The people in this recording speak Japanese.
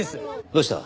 どうした？